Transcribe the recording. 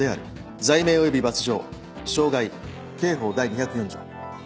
罪名および罰条傷害刑法第２０４条。